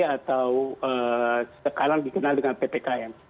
atau sekarang dikenal dengan ppkm